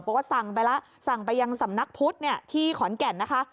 บอกว่าสั่งไปแล้วสั่งไปยังสำนักพุทธที่ขอนแก่นนะคะ